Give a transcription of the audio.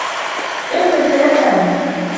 اغتسل سامي.